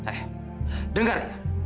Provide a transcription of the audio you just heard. eh dengar ya